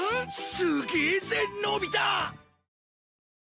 すげえぜのび太！